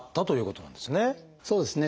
そうですね。